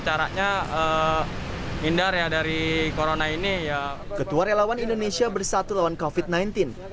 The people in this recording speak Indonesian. sebanyak satu enam ratus dua puluh empat warga telah berpartisipasi mengikuti rapi tes